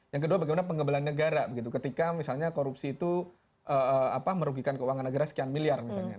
yang kedua bagaimana pengembalian negara ketika misalnya korupsi itu merugikan keuangan negara sekian miliar